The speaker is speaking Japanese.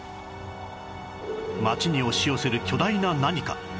街に押し寄せる巨大な何か